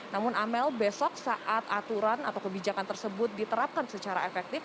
namun amel besok saat aturan atau kebijakan tersebut diterapkan secara efektif